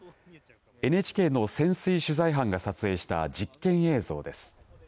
ＮＨＫの潜水取材班が撮影した実験映像です。